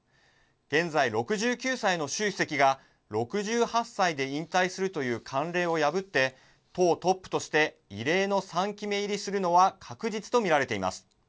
現在６９歳の習主席が６８歳で引退するという慣例を破って党トップとして異例の３期目入りするのは確実と見られています。